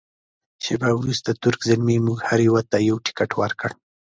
شیبه وروسته تُرک زلمي موږ هر یوه ته یو تکټ ورکړ.